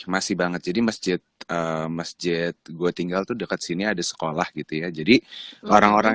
masih banget jadi masjid masjid gua tinggal tuh dekat sini ada sekolah gitu ya jadi orang orang